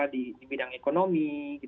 di bidang ekonomi